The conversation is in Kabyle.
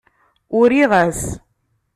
Uriɣ-as.